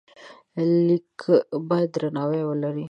لیک باید درناوی ولري.